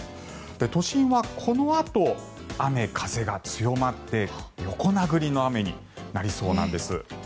都心はこのあと雨風が強まって横殴りの雨になりそうなんです。